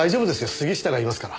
杉下がいますから。